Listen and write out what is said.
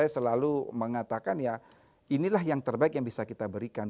saya selalu mengatakan ya inilah yang terbaik yang bisa kita berikan